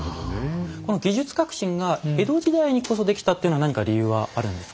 この技術革新が江戸時代にこそできたっていうのは何か理由はあるんですか？